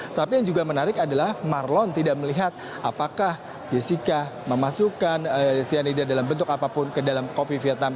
tapi yang juga menarik adalah marlon tidak melihat apakah jessica memasukkan cyanida dalam bentuk apapun ke dalam coffee vietnam